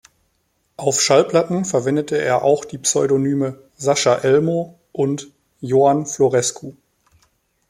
Auf Schallplatten verwendete er auch die Pseudonyme "Sascha Elmo" und "Joan Florescu".